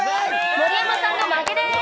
盛山さんの負けです。